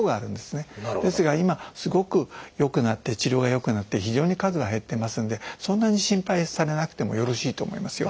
ですが今すごく治療がよくなって非常に数が減ってますのでそんなに心配されなくてもよろしいと思いますよ。